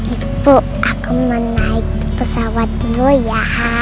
ibu aku mau naik pesawat dulu ya